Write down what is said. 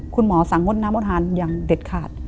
คุณหมอสั่งงดน้ำอดทานอย่างเด็ดขาด